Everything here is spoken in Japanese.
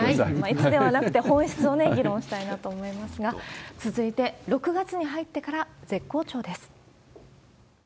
いつではなくて、本質を議論したいなと思いますが、続いて、６月に入ってから絶好調です。